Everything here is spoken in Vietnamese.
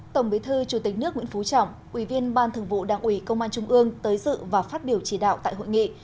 tổng bí thư chủ tịch nước nguyễn phú trọng ủy viên ban thường vụ đảng ủy công an trung ương tới dự và phát biểu chỉ đạo tại hội nghị